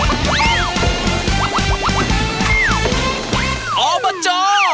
มาสู่เมือง